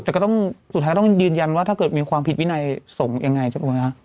แต่ก็ต้องสุดท้ายต้องยืนยันว่าถ้าเกิดมีความผิดวินัยส่งยังไงใช่ไหมคะ